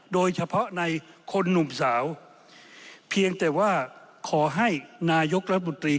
โดยเฉพาะในคนหนุ่มสาวเพียงแต่ว่าขอให้นายกรัฐมนตรี